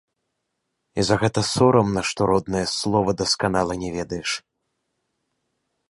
І за гэта сорамна, што роднае слова дасканала не ведаеш.